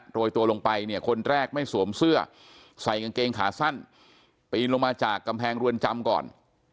โรยตัวลงไปเนี่ยคนแรกไม่สวมเสื้อใส่กางเกงขาสั้นปีนลงมาจากกำแพงรวนจำก่อน